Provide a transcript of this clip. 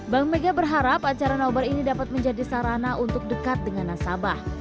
bank mega berharap acara nobar ini dapat menjadi sarana untuk dekat dengan nasabah